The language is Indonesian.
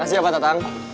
masih apa datang